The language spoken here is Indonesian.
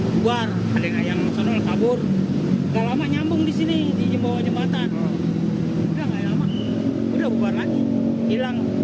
bubar adek adek yang selalu kabur kalau nyambung di sini di bawah jembatan udah bubar lagi hilang